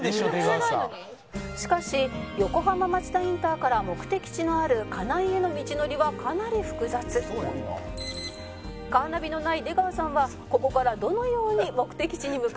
「しかし横浜町田インターから目的地のある金井への道のりはかなり複雑」「カーナビのない出川さんはここからどのように目的地に向かうのでしょうか？」